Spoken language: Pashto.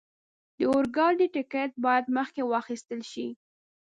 د اورګاډي ټکټ باید مخکې واخستل شي.